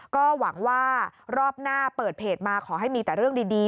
ก็หวังว่ารอบหน้าเปิดเพจมาขอให้มีแต่เรื่องดี